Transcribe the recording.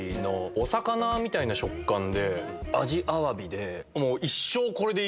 お魚みたいな食感で味アワビで。